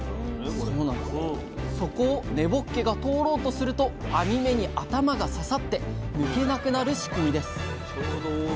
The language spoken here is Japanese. そこを根ぼっけが通ろうとすると網目に頭が刺さって抜けなくなる仕組みです